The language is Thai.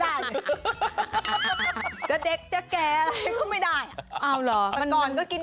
เด็กจะแกะก็ไม่ได้